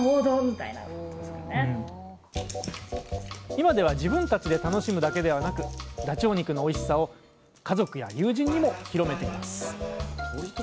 今では自分たちで楽しむだけではなくダチョウ肉のおいしさを家族や友人にも広めています